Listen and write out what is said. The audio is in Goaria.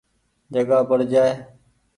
جگآ پڙ جآئي۔